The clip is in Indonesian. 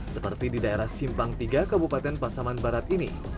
seperti di daerah simpang tiga kabupaten pasaman barat ini